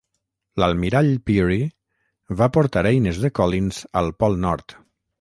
L'almirall Peary va portar eines de Collins al Pol Nord.